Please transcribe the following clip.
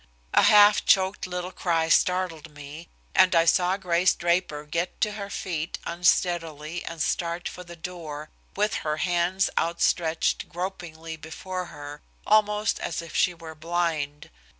A half choked little cry startled me, and I saw Grace Draper get to her feet unsteadily and start for the door, with her hands outstretched gropingly before her, almost as if she were blind.